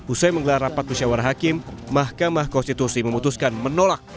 usai menggelar rapat musyawar hakim mahkamah konstitusi memutuskan menolak